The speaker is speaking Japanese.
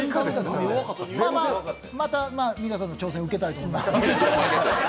また皆さんの挑戦受けたいと思います。